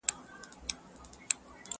زر له مسو څخه باسې جادو ګر یې٫